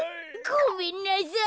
ごめんなさい。